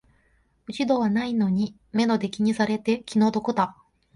落ち度はないのに目の敵にされて気の毒だ